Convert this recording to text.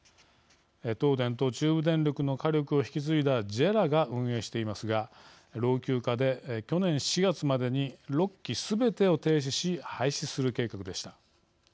東電と中部電力の火力を引き継いだＪＥＲＡが運営していますが老朽化で、去年４月までに６機すべてを停止し廃止する計画でした。